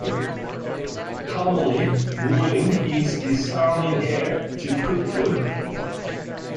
Commonly, grilling heats the surrounding air to cook food.